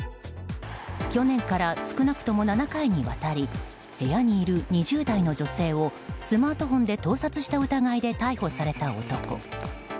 去年から少なくとも７回にわたり部屋にいる２０代の女性をスマートフォンで盗撮した疑いで逮捕された男。